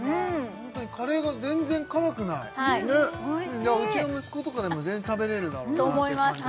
ホントにカレーが全然辛くないうちの息子とかでも全然食べれるだろうなって感じですね